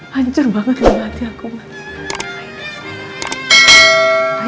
hancur banget lah hati aku mbak